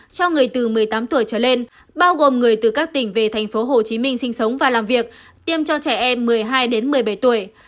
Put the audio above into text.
cho người từ một mươi tám tuổi trở lên bao gồm người từ các tỉnh về tp hcm sinh sống và làm việc tiêm cho trẻ em một mươi hai một mươi bảy tuổi